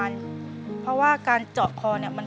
เปลี่ยนเพลงเพลงเก่งของคุณและข้ามผิดได้๑คำ